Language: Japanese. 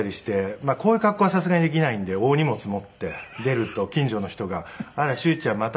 まあこういう格好はさすがにできないんで大荷物持って出ると近所の人が「あら修ちゃんまた海外旅行？」